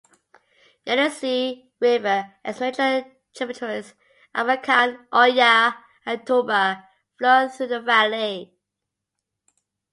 Yenisey River and its major tributaries: Abakan, Oya and Tuba flow through the valley.